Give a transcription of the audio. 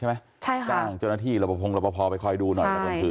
ไปใช่ไหมใช่ค่ะเจ้าหน้าที่ระบบภงระบบภอดีไปคอยดูหน่อย